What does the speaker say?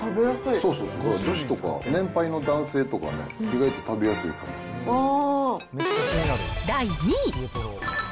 そうそう、女子とか年配の男性とかね、意外と食べやすいかも第２位。